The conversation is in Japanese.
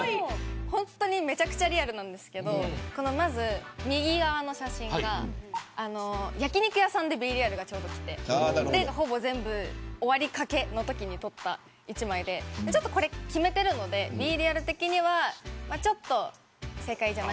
ほんとにめちゃくちゃリアルなんですけどまず、右側の写真は焼き肉屋さんでＢｅＲｅａｌが来てほぼ終わりかけのときに撮った１枚でちょっと決めてるのでＢｅＲｅａｌ的にはちょっと正解ではない。